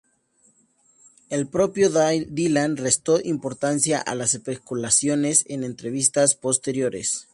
El propio Dylan restó importancia a las especulaciones en entrevistas posteriores.